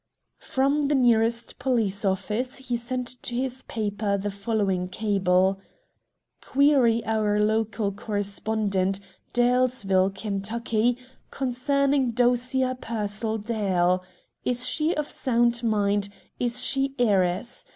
From the nearest post office he sent to his paper the following cable: "Query our local correspondent, Dalesville, Kentucky, concerning Dosia Pearsall Dale. Is she of sound mind, is she heiress.